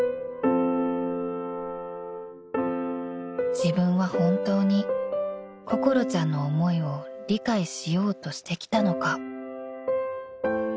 ［自分は本当に心ちゃんの思いを理解しようとしてきたのか］